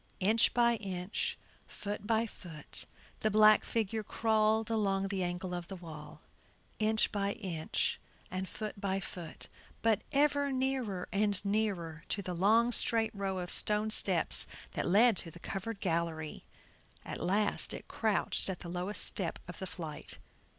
Inch by inch, foot by foot the black figure crawled along in the angle of the wall; inch by inch and foot by foot, but ever nearer and nearer to the long straight row of stone steps that led to the covered gallery. At last it crouched at the lowest step of the flight.